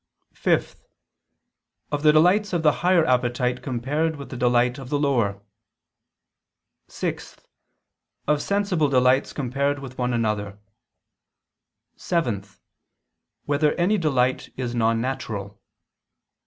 (5) Of the delights of the higher appetite compared with the delight of the lower; (6) Of sensible delights compared with one another; (7) Whether any delight is non natural?